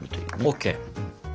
ＯＫ。